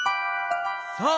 そう！